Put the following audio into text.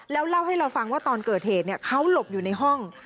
แล้วเล่าให้เราฟังว่าตอนเกิดเหตุเขาหลบอยู่ในห้อง